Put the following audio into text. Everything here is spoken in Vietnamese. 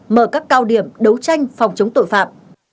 mở các cao điểm đấu tranh phòng chống tội phạm